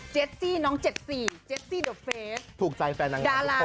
เจสซี่น้องเจสซี่เจสซี่เดอะเฟสถูกใจแฟนอาหารทุกคน